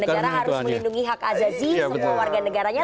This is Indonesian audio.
dan negara harus melindungi hak azazi semua warga negaranya